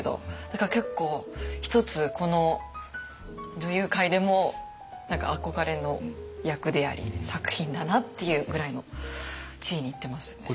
だから結構一つこの女優界でも何か憧れの役であり作品だなっていうぐらいの地位にいってますよね。